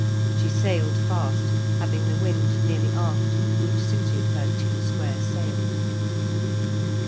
She sailed fast, having the wind nearly aft, which suited her two square sails.